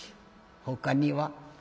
ほかには？」。